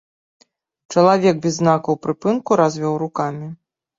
Чалавек без знакаў прыпынку развёў рукамі.